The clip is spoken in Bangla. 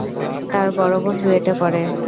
তার বড় বোন রুয়েটে পড়ে।